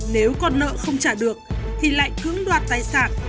nếu con nợ không trả được thì lại cưỡng đoạt tài sản